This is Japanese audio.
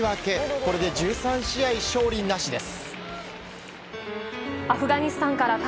これで１３試合勝利なしです。